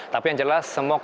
tapi yang jelas semua